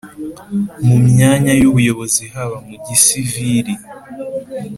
mu myanya y'ubuyobozi haba mu gisivili,